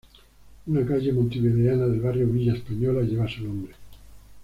Una calle montevideana del barrio Villa Española lleva su nombre.